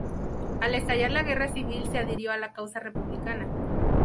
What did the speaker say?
Al estallar la guerra civil se adhirió a la causa republicana.